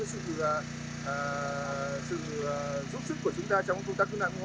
sự giúp sức của chúng ta trong công tác cứu nạn cứu hộ